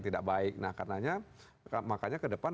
tidak baik nah karenanya makanya ke depan